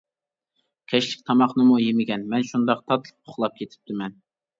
كەچلىك تاماقنىمۇ يېمىگەن مەن شۇنداق تاتلىق ئۇخلاپ كېتىپتىمەن.